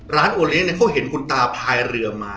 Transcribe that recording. ร้านโอเลี้ยงเนี่ยเขาเห็นคุณตาพายเรือมา